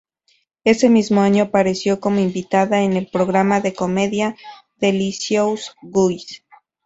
Ese mismo año apareció como invitada en el programa de comedia "Delicious Guys".